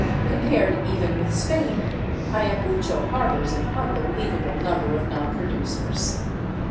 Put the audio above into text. Compared even with Spain, Ayacucho harbors an unbelievable number of non producers.